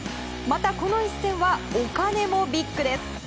また、この一戦はお金もビッグです。